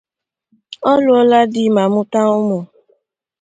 Ọ lụọla di ma mụta ụmụ.